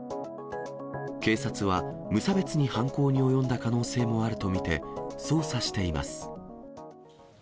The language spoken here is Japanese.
警察は、無差別に犯行に及んだ可能性もあると見て、捜査しています。